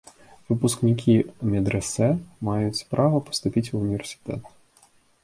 Выпускнікі медрэсэ маюць права паступаць ва ўніверсітэт.